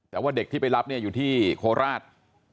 แต่ว่าเด็กที่ไปรับเนี่ยอยู่ที่โคราช